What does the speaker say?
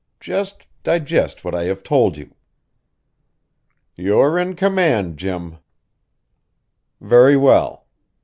Just digest what I have told you." "You're in command, Jim!" "Very well.